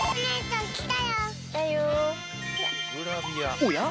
おや？